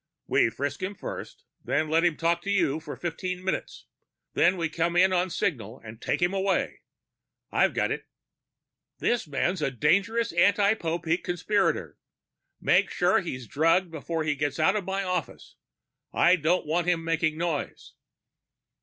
"We frisk him first, then let him talk to you for fifteen minutes. Then we come in on signal and take him away. I've got it." "This man's a dangerous anti Popeek conspirator. Make sure he's drugged before he gets out of my office. I don't want him making noise."